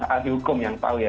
ahli hukum yang tahu ya